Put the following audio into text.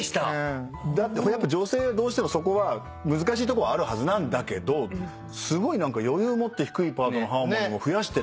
だって女性はどうしてもそこは難しいとこはあるはずなんだけどすごい余裕もって低いパートのハーモニーも増やしてて。